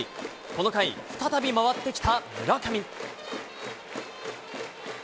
この回、再び回ってきた村上。